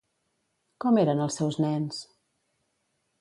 Com eren els seus nens?